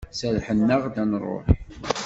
Serrḥen-aɣ-d ad d-nruḥ.